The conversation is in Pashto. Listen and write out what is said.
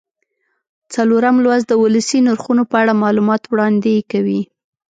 څلورم لوست د ولسي نرخونو په اړه معلومات وړاندې کوي.